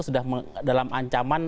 sudah dalam ancaman